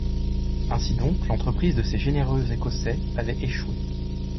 Ainsi donc l’entreprise de ces généreux Écossais avait échoué.